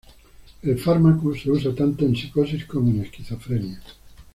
El fármaco se usa tanto en psicosis como en esquizofrenia.